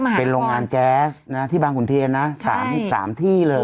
ถูกต้องเป็นโรงงานแจ๊สนะที่บางขุนเทียนนะ๓ที่เลย